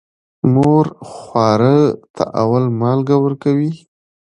مور خواره ته اول مالګه ورکوي.